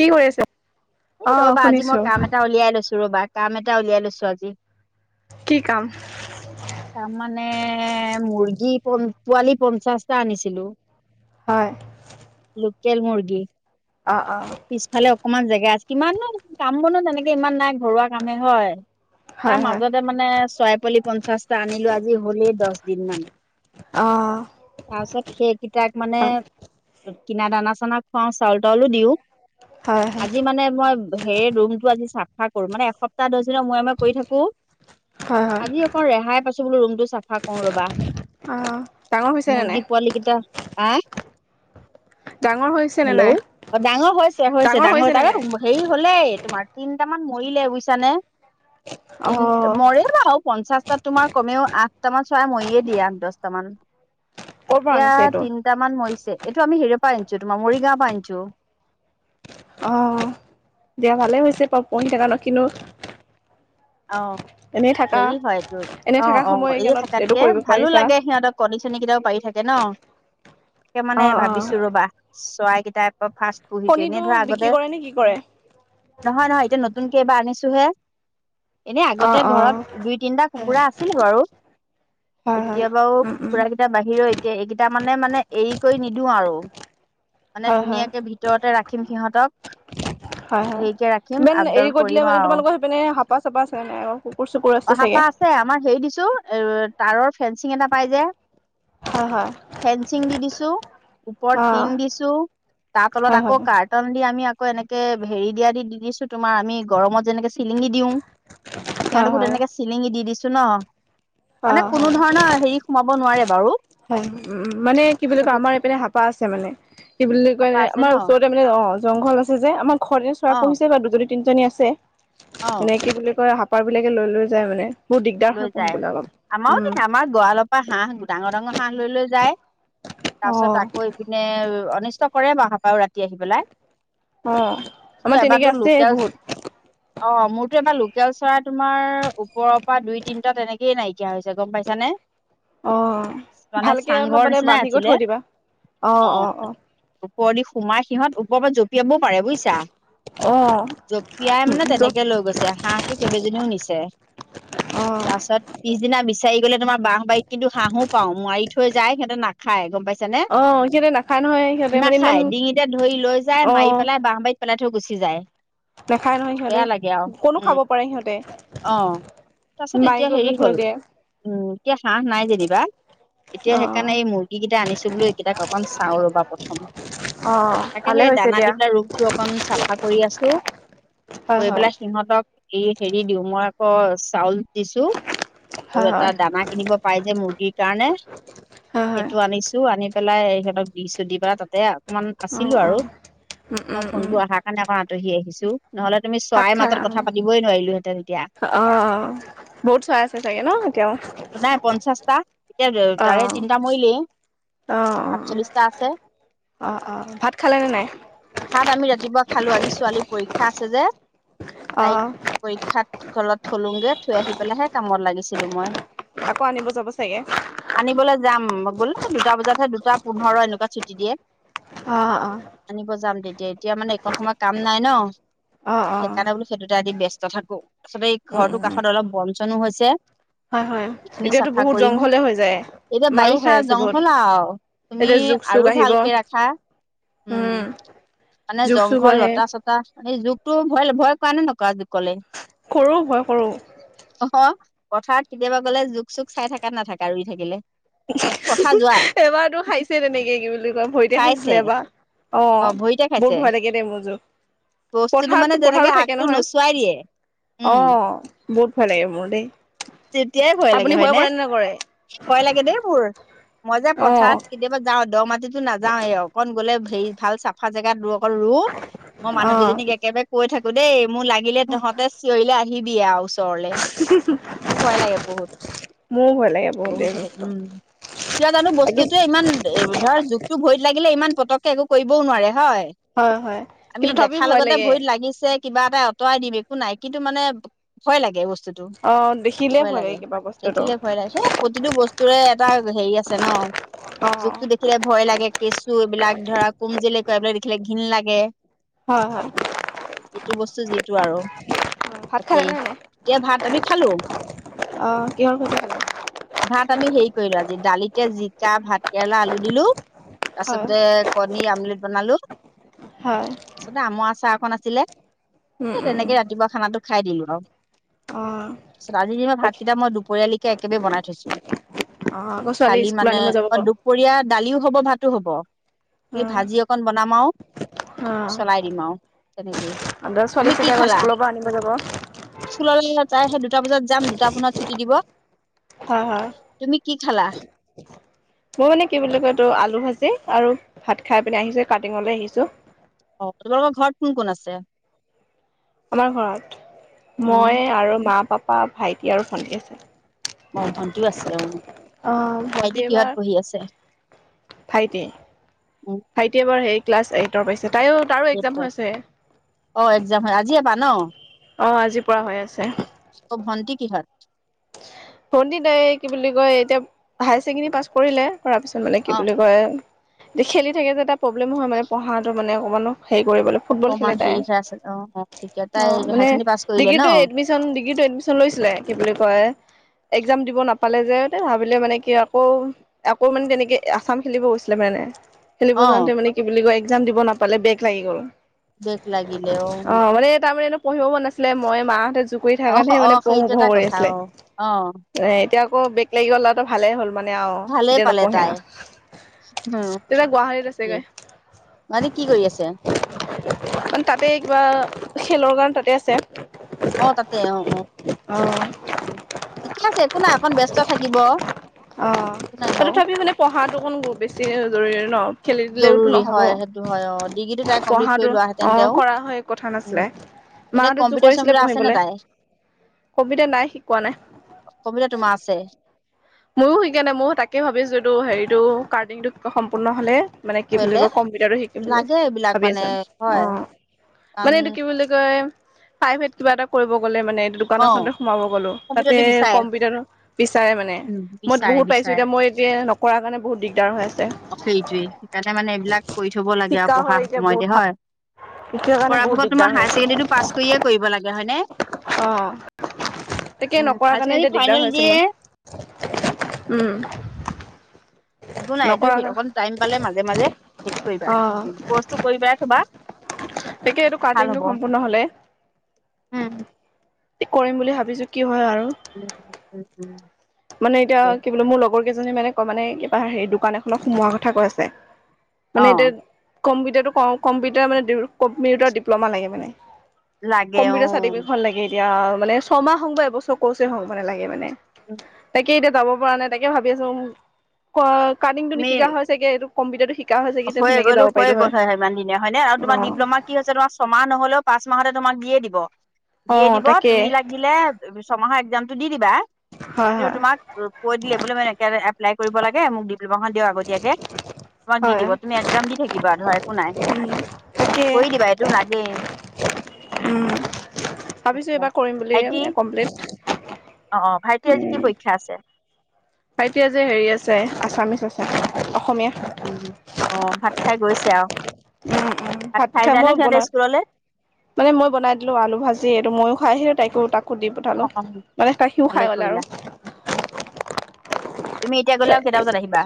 কি কৰি আছ? এই ৰ'বা আজি মই কাম এটা উলিয়াই লৈছো ৰ'বা, কাম এটা উলিয়াই লৈছো আজি। কি কাম। তাৰ মানে মুৰ্গী পোৱালি পঞ্চাশটা আনিছিলো। হয়। লোকেল মুৰ্গী, অ' অ'। পিছফালে অকমান জেগা আছ কিমাননো, কাম বনত তেনেকে ইমান নাই। ঘৰুৱা কামহে হয়। তাৰ হয়, হয়। মাজতে মানে চৰাই পোৱালি পঞ্চাশটা আনিলো আজি হ'লেই দচ দিন মান। অ' তাৰ পিছত সেইকিটাক মানে হয়, কিনা দানা চানা খুৱাও, চাউল তাউলো দিওঁ। হয়, হয়। আজি মানে মই হে ৰুমটো আজি চাফা কৰোঁ। মানে এসপ্তাহ দছ দিন মূয়ে মূয়ে কই থাকোঁ। হয়, হয়। আজি অক ৰেহাই পাইছোঁ বোলো ৰুমটো চাফা কওঁ ৰবা। অ' ডাঙৰ হৈছে নে নাই? মুৰ্গী পোৱালি কেইটা হা? ডাঙৰ হৈছে নে হেল্ল' নাই? অ', ডাঙৰ হৈছে হৈছে ডাঙৰ তাৰে হেৰি হলেই তোমাৰ তিনটামান মৰিলে বুইছানে। অ' তিন, মৰিল বাও পঞ্চাছ তোমাৰ কমেও আঠটামান চৱা মইয়ে দিয়া। আঠ দছটামান। ক'ৰ পৰা এতিয়া আনিছে এইটো? তিনটামান মইছে। টো আমি হেইৱ পা আনিছোঁ। তোমাৰ মৰিগাঁও পা আনিছোঁ। অ' দিয়া ভালে হৈছে পা-পঢ়ি থাকা ন কিনো অ'। এনেই থাকা হেৰি হয় এইটো, এনে অ', থকা অ' এই সময়কণত এইটো থাকাতকে কৰিব ভালো পাৰিছা। লাগে সিহঁতক কণী চণী কেইটাও পাৰি থাক গে ন তাকে মানে অ' অ'। ভাবিছোঁ ৰ'বা চৰাইগিটা অ' ফাছ পুহিছো এনে কণীটো ধৰা আগতে, বিক্ৰী কৰে নে কি কৰে? নহয়, নহয় এতিয়া নতুন কেইবাৰ আনিছোহে এনে অ' আগতে ঘৰত অ'। দুই তিনটা হয়, হয়। কুকুৰা আছিল বাৰু। হয়, এতিয়াাবাও উম, উম। পুৰা কিটা বাহিৰেও এতিয়া এইকিটা মানে, মানে এই কই নিদো আৰু। মানে হয়, হয়। ধুনীয়াকে ভিতৰতে ৰাখিম সিহঁতক। হয় হয়। হেইকে ৰাখিম, ইমান আবদল এৰি কৰি দিলে কৰিম মানে আও। তোমালোকৰ সেইপিনে হাপা চাপা আছে নাই আকৌ কুকুৰ চুকুৰ আছে অহাপা চাগে। আছে। আমাৰ হেই দিছো এ তাঁৰৰ ফেন্সিং এটা পাই যে। হয় হয় ফেঞ্চিং দি দিছোঁ, ওপৰত টিং অ' দিছোঁ। তা তলত হয় আকৌ হয় হয় কাৰ্টন দি আমি আক কৈ এনেকে হেৰি দিয়া দি দিছোঁ তোমাৰ আমি গৰমত যেনেকে চিলিঙি দি সিহঁতকো হয়। তেনেকে চিলিঙি দি দিছো ন। মানে অ' কোনো হয় ধৰণৰ হেই সোমাব নোৱাৰে বাৰু। হয় উ, উ মানে কি বুলি কয় সেইটো আমাৰ এইপিনে হাপা আছে মানে। কি বুলি কয় চাফা আছে আমাৰ ন ওচৰতে মানে অ' জংঘল আছে যে, আমাৰ ঘৰতে চৰাই অ পুহিছে ন দুজনী তিনিজনী আছে অ মানে কি বুলি কয় হাপাৰবিলাকে লৈ লৈ যায় মানে। বহুত দিগদাৰ লৈ হয় যায় পুহিবলৈ অলপ। আমাৰো উম দেই আমাৰ গোৱালৰ পৰা হাঁহ ডাঙৰ ডাঙৰ খান লৈ লৈ যায়, অ' তাছত আকৌ ইপিনে অত অনিষ্ট কৰে বাও হাপাও ৰাতি আহি পেলাই। অ' আমাৰ এবাৰতো তেনেকে আছে লোকেল বহুত। অ' মোৰতো এবাৰ লোকেল চৰাই তোমাৰ ওপৰ দুই তিনিটা তেনেকয়ে নাইকিয়া হৈছে গম পাইছা নে? অ' ভালকে অলপ মানে নিচিনাই বান্ধি কৈ আছিলে থৈ দিবা। অ', অ'-অ'। ওপৰ দি সোমাই সিহঁত, ওপৰ পা জঁপিয়াবও পাৰে বুইছা। অ' জপিয়াই মানে অ' তেনেকে লৈ গৈছে হাঁহটো কেইবাজনীও নিছে। অ তাছত পিছদিনা বিচাৰি গ'লে তোমাৰ বাঁহ বাৰীত কিন্তু হাঁহো পাওঁ। মোৱা মাই থৈ যায়, সিহঁতে নাখাই গম পাইছ ছানে। অ', সিহঁতে নাখায় নহয় সিহঁতে মানে ইমান নাখায় ডিঙিতে ধই লৈ যাই অ মাই পেলাই বাঁহ বাইত পেলাই থৈ গুচি যায়। নাখায় নহয় সিহঁতে বেয়া লাগে আৰু ক'নো উম খাব পাৰে সিহঁতে। তাছত মাৰি এতিয়া গৈ হেৰি পেলাই থৈ হ'ল দিয়ে উম এতিয়া হাঁহ নাই যেনিবা। এতিয়া অ হেকাণে এই মুৰ্গীগিটা আনিছোঁ বুলো এইকিটাক অকণ চাওঁ ৰ'বা প্ৰথম। অ তাকে ভালে হেই হৈছে দানা দিয়া দি পেলাই ৰুমটো অকন চাফা কৰি আছোঁ। হয় গৈ হয় পেলাই সিহঁতক এই হেৰি দিওঁ, মই আকৌ চাউল দিছো। আৰু হয় এটা হয় দানা কিনিব পাই যে মুৰ্গিৰ কাৰণে হয় হয় সেইটো আনিছো আনি। পেলাই সিহঁতক দিছো, দি পেলা তাতে অকমান অ আছিলো অ আৰু উম তই উম উম ফোনটো অহাৰ কাৰণে আক তহি আহিছো নহ'লে, তুমি ভাত চৰাই খা মাতত অ কথা পাতিবই নোৱাৰিলোহেঁতেন এতিয়া অ বহুত চৰাই আছে চাগে ন এতিয়াও । নাই পঞ্চাশটা, এতিয়া অ তাৰে তিনটা মৰিল। কি অ', -অ', - অ'। অ অ ভাত খালেনে নাই তাত আমি ৰাতিপুৱা খালো, আজি ছোৱালীৰ পৰীক্ষা যে অ তাইক পৰীক্ষাত ঘলত থলোগে, থৈ আহি পেলাইহে কাম। লাগিছিলো মই আকৌ আনিব যাব চাগে আনিবলৈ যাম বোল দুটা বজাতহে, দুটা পোন্ধৰ এনেকুৱাত ছুটি দিয়ে। অ', -অ'। এয়া এতিয়া মানে এইকণ সময় কাম নাই ন' অ অ সেইকাৰণে বোলো সেইটোতে আজি ব্যস্ত থাকো। আচলতে ঘৰটোৰ কাষত অলপ বন-চনো হৈছে। হয়-হয়, এইখিনি এতিয়াতো চাফা বহুত কৰিম জংঘলে হৈ যায়। এতিয়া আমাৰো হৈ বাৰিষা আছে বহুত জংঘল আৰু তুমি এতিয়া জোক চোক আৰু আহিব ভালকে ৰাখা। উম, মানে জোক চোক জংঘল, আহে লতা-চতা এই জোকটো ভয়, ভয় কৰা নে নকৰা। জোকলে কৰো ভয় কৰো। অ পথাৰত কেতিয়াবা গ'লে, জোক-চোক চাই থাকা নে নাথাকা ৰুই থাকিলে। পথাৰ যোৱা এবাৰতো খাইছে তেনেকে কি বুলি কয় ভৰিতে খাইছে খাইছিলে এবাৰ। অ' ভৰিতে বৰ খাইছে ভয় লাগে দে মোৰযো বস্তুটো মানে পথাৰত যেনেকে পথাৰো থাকে আগটো নহয়, নচুৱাই দিয়ে উম অহ বহুত ভয় লাগে মোৰ দেই। তেতিয়াই ভয় আপুনি লাগে হয়নে, কৰে নে নকৰে ভয় লাগে দেই। মোৰ। মই যে অ পথাৰত কেতিয়াবা যাও দ' মাটিতো নাযাওয়ে, এই অকন গ'লে হেৰি ভাল চাফা জেগাত ৰু অকল ৰু মই অ মানুহ কেইজনীক একেবাৰে কৈ থাকো দেই, মোৰ লাগিলে তহঁতে চিঞৰিলে আ আহিবি ওচৰলে মোৰ ভয় লাগে বহুত। মোৰো ভয় লাগে বহুত দেই ভালে জোক। উম' কিয় জানো বাকী বস্তুতে ইমান এ ধৰ জোকটো ভৰিত লাগি ইমান পতককে একো কৰিবও নোৱাৰে হয়, হয় হয় আমি কিন্তু তথাপিও দেখাৰ ভয় লগতে লাগে ভৰিত লাগিছে। কিবা এটা আঁতৰাই দিম একো নাই কিন্তু মানে ভয় লাগে বস্তুটো। অ দেখিলে ভয় লাগে, কিবা বস্তুটো দেখিলে ভয় লাগে প্ৰতিটো বস্তুৰে টা হেৰি আছে ন অ জোকটো দেখিলে ভয় লাগে। কেঁচু এইবিলাক ধৰা, কুম জিলকুৱা এইবিলাক দেখিলে ঘিণ লাগে। হয়- হয়। যিটো বস্তু যিটো আৰু ভাত খালে তাকেই নে নাই এতিয়া ভাত আমি। খালো অ', কিহৰ সৈতে খালে? ভাত আমি সেই কৰিলো আজি দালিতে, জিকা, ভাত কেৰেলা, আলু দিলো। হয়, তাৰপাছতে কণী, আমলেট বনালো হয়, তাৰপিছতে আমৰ আচাৰ আছিলে, উম, সেই উম, উম, তেনেকে ৰাতিপুৱা খানাটো খাই দিলো আৰু অ', তিছত আজি দিনৰ তাকে, ভাতকেইটা মই দুপৰিয়ালিকে একেবে বনাই থৈছো। অ', আকৌ ছোৱালী চালি স্কুল মানে আনিব যাব অ' বাৰু। দুপৰীয়া দালিও হ'ব ভাতো হ'ব, সি অ', ভাজি অকন বনাম আৰু চলাই দিম আৰু তেনেকে। আপোনাৰ ছোৱালী ছাগে আকৌ স্কুলৰ পৰা আনিব যাব। চাই সেই দুটা বজাত যাম, দুটা পোনত ছুটি দিব। হয়-হয় তুমি কি খালা? মই মানে কি বুলি কয়, এইটো আলু ভাজি আৰু ভাত খাই পিনে আহিছো, কাটিঙলৈ আহিছো। অ' তোমালোকৰ ঘৰত কোন-কোন আছে। আমাৰ ঘৰত উম, মই আৰু মা, পাপা ভাইটি আৰু ভণ্টি আছে। মই ভণ্টিও আছে, অ' অ', ভণ্টি ভাইটি কিহত এইবাৰ পঢ়ি আছে। ভাইটি। উম, ভাইটি এবাৰ হে ক্লাছ এইটৰ পাইছে তাইো তাৰো এক্সাম ত। হৈছে অ', এক্সাম হয় আজি এবাৰ ন? অ আজিৰ পৰা হৈ আছে [inaudible] উম, অ', ভন্টি কিহত? ভণ্টি দাই কি বুলি কয় এতিয়া হায়াৰ ছেকেণ্ডৰী পাছ কৰিলে কৰাৰ পিছত মানে কি অ', বুলি কয় খেলি থাকে যে এটা প্ৰব্লেম হয় মানে পঢ়াটো মানে অকণমানো হে কৰিবলৈ ফুটবল খেলে অকমান তাই হেৰি হৈ আছে অ', অ', ঠিকে তাই অ', হাই মানে ছেকেণ্ডাৰী পাছ কৰিলে ন? ডিগ্ৰীটো এডমিশন ডিগ্ৰী এডমিচন লৈছিলে কি বুলি কয় এক্সাম দিব নাপালে নাপালে যে ভাবিলে মানে কি আকৌ, আকৌ মানে কেনেকে আছাম খেলিব গৈছিলে মানে খেলিব যাওঁতে অ', মানে কি বুলি কয় এক্সাম দিব নাপালে বেগ লাগি গ'ল বেক লাগিলে অঔ। অ' মানে তাৰমানে পঢ়িব মোনব নাছিলে মই মাহঁতে জোক কৰি অ', অ', থাকাতহে মানে অ', পঢ়ো সেইটো পঢ় এটা কৰি কথা আছিলে অ', অ এতিয়াকৌ বেগ লাগি গ'ল তাইটো ভালে হ'ল মানে অহ ভালেই দে পালে নপঢ়ে তাই উম, তেতিয়া গুৱাহাটীত তাকে। আছেগৈ আজি কি কৰি আছে? মানে তাতে কিবা খেলৰ কাৰণে তাতে আছে অ', তাতে অ', অ ঠিকে আছে একো নাই অকন ব্যস্ত থাকিব। অ', একো নাই আৰু বাৰু। তথাপিও মানে পঢ়াটো কোন বেছি জৰুৰী ন খেলি দিলেওতো জৰুৰী নহ'ব হয় সেইটো হয় অ ডিগ্ৰীটো তাই কমপ্লিট কৰি পঢ়াটো লোৱাহেঁতেন অ তেওঁ কৰা হয় কথা উম নাছিলে এনে মাহঁতে যোৰ কম্পিউটাৰ কৰিছিলে চম্পিউটাৰ আছে নে পঢ়িবলৈ তাই কবিতা নাই শিকোৱা কম্পিউটাৰ তোমাৰ নাই। আছে ময়ো শিকা নাই ময় তাকে ভাবিছো এইটো হেৰিতটো কাৰ্তিক দু সম্পূৰ্ণ হলে মানে কি বুলি কৰিলে কয় কম্পিউটাৰো শিকিম বুলি লাগে এইবিলাক ভাবি মানে আছা অ হয় মানে এইটো কাৰণ কি বুলি কয় প্ৰাইভেট কিবা এটা কৰিব গ'লে মানে অ দোকানৰখনতে সোমাব গ'লো তাতে কম্পিউটাৰটো বিচাৰে কম্পিউটাৰ বিচাৰে মানে উম মই বিচাৰে বহুত পাইছো বিচাৰে এতি মই এতিয়া নকৰৰা কাৰণে বহুত দিগদাৰ হয় সেইটোৱে সেইকাৰণে মানে এইবিলাক কৰি থব লাগে আৰু শিকা পঢ়া হয় এতিয়া বহুত সময়তে ভাল হয় শিকাৰ কাৰণে বহুত পৰাপক্ষত দিগদাৰ তোমাৰ হৈ হায়াৰ আছে ছেকেণ্ডৰীটো পাছ কৰিয়ে কৰিব লাগে হয়নে অ তাকে উম নকৰা কাৰণে এতিয়া দিগদাৰ ছেকেণ্ডৰীটো হৈছে দিয়ে মোৰ উম, উম। একো নাই এইটো নকৰা অকন টাইম পালে মাজে মাজে হে কৰিবা অ কৰ্চটো কৰিবা থবা [unintelligible] তেতিয়া এইটো ভাল কাটিংটো হ'ব সম্পূৰ্ণ হলে উম [inaudible] কৰিম বুলি ভাবিছো কি হয় আৰু উ উম উম মানে এতিয়া উম, কি বোলো মোৰ লগৰ কেইজনী মানে ক মানে কিবা হেৰি দোকান এখনক সোমোৱাৰ কথা কৈ আছে মানে অ এতিয়া কম্পিউটাৰটো কম্পিউটাৰ মানে কম্পিউটাৰ ডিপ্ল'মা লাগে মানে লাগে অ কম্পিউটাৰ চাৰ্টিফিকখন লাগে এতিয়া মানে ছমাহ হওঁ বা এবছৰ কৌছে হওঁ এক বছৰ লাগে মানে তাকে এতিয়া যাব পৰা নাই তাকে ভাবি আছো কাটিংটো তুমি নিশিকা হৈছেগে এইটো কম্পিউটাৰটো শি হৈ গল হৈয় গ'ল হয় স ইমান দিনে হয়নে আৰু তোমাৰ অ', ডিপ্ল'মা কি হৈছে তোমাৰ ছমাহ নহলেও পাঁচ মাহতে তোমাক দিয়ে দিব দিয়ে অ', দিব তাকে তুমি লাগিলে ছমাহৰ একজাম টো দি দিবা হয়, কিন্তু হয়, তোমাক কৈ দিলে বোলে মে এপ্লাই কৰিব লাগে মোক দি আগতীয়াকে তোমাক দি হয়, দিব তুমি একজাম দি থাকিবা ধৰা একো নাই উম। তাকে কৰি দিবা এইটো লাগেই [inaudible] ভাবিছোঁ এইবাৰ কৰিম ভাইটি বুলিয় কমপ্লেট অ অ ভাইটি আজি কি পৰীক্ষা আছে [inaudible] ভাইতিয়া যে হেৰি আছে আছামিচ আছে অসমীয়া উম অহ ভাত খাই গৈছে আৰু উম, ভাত খাই যায় নে মই সিহঁতে বনা স্কুললে মানে মই বনাই দিলো আলু ভাজি এইটো ময়ো খাই আহিলো তাইকো তাক কুটি অ পঠালোঁ অ মানে কাখীও খাই ভালেই গ'লে আৰু কৰিলা তুমি এতিয়া গ'লে আৰু কেইটা বজাত আহিবা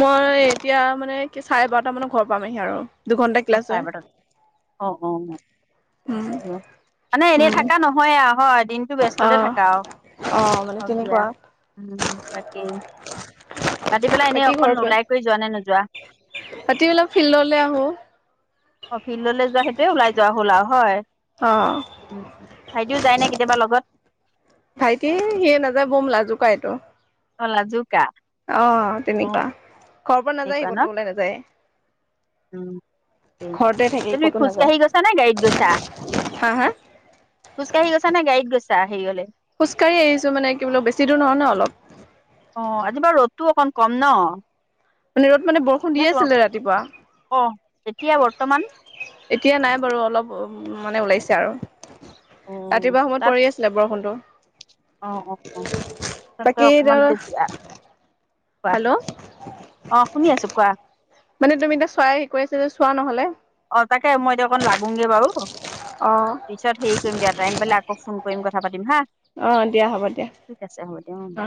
মই এতিয়া মানে কি চাৰে বাৰটামানত ঘৰ পামহি আৰু। দুঘন্টা ক্লাছ হয় অ- অ উম দিয় মানে এনেই উম থকা নহয়ে। দিনটো অ ব্যস্ততে থাকা আৰু। অ মানে হক দিয়া তেনেকুৱা উ, তাকেই। ৰাতি পেলাই এনেই বাকী অকন ঘৰ পাই ওলাই কৰি যোৱা নে নোযোৱা। ৰাতি বিলাক ফিল্ডলৈ আহো। অ, ফিল্ডলৈ যোৱা সেইটোয়ে ওলাই যোৱা হ'ল আৰু হয়। অ উ, ভাইটিও যায় ন? কেতিয়াবা লগত। ভাইটি সিয়ে নাযায় বম লাজুক এইটো। অ, লাজুকা। অ, অ তেনেকুৱা ঘৰৰ পৰা নাযায় ক'তো ওলাই নাযায়ে। উ, থাকি তুমি ক'তো নাযায় খোজকাঢ়ি গৈছা নে গাড়ীত গৈছা? হা হা খোজকাাঢ়ি গৈছা নে গাড়ীত গৈছা? হেৰিলৈ খোজকাঢ়ি আহিছো। মানে কি বো বেছি দূৰ নহয় ন অলপ। অ, আজি বাৰু ৰ'দতটো অকমান কম ন? মানে ৰ'দ মানে বৰষুণ নে তোমাৰ দিয়েছিলে ৰাতিপুৱা। অ তেতিয়া বৰ্তমান এতিয়া নাই বাৰু অলপ মানে ওলাইছে আৰু। অ ৰাতিপুৱা সময়ত তাত পৰি আছিলে বৰষুণটো। অ- অ -অ তেন্তে বাকী অকমান এতিয়া তেতিয়া। কোৱা হেল্ল'। অ শুনি আছো কোৱা। মানে তুমি এতিয়া চাই হে কৰি আছ যে চোৱা নহ'লে। অ, তাকে মই এতিয়া অকণ লাগোগে বাৰু। অ', পিছত হেৰি কৰিম দিয়া টাইম বেললে আকৌ ফোন কৰিম কথা পাতিম হা। অ, দিয়া হ'ব দিয়া। ঠিক আছে হ'ব দিয়া অ।